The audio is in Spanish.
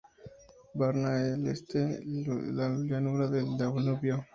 Varna al este de la llanura del Danubio.